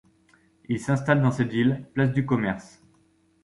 Ils s’installent dans cette ville, place du Commerce.